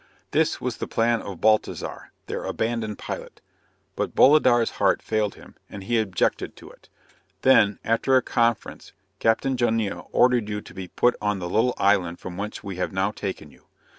This was the plan of Baltizar, their abandoned pilot; but Bolidar's heart failed him, and he objected to it; then, after a conference, Captain Jonnia ordered you to be put on the little island from whence we have now taken you.